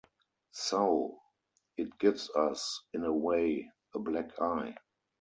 So, it gives us, in a way, a black-eye.